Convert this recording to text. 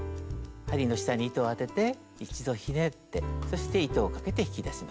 針の下に糸を当てて一度ひねってそして糸をかけて引き出します。